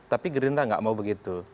tapi gerindra nggak mau begitu